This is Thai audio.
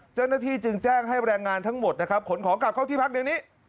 เจ้าหน้าที่จึงแจ้งให้แรงงานทั้งหมดนะครับขนของกลับเข้าที่พักเดี๋ยวนี้